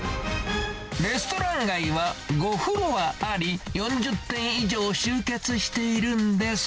レストラン街は５フロアあり、４０店以上集結しているんです。